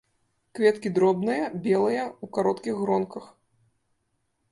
Кветкі дробныя, белыя, у кароткіх гронках.